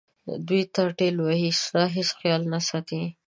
دوی تا ټېل وهي ستا هیڅ خیال نه ساتي.